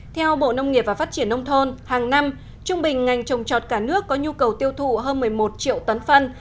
theo bộ nông nghiệp và phát triển nông thôn hàng năm trung bình ngành trồng trọt cả nước có nhu cầu tiêu thụ hơn một mươi một triệu tấn phân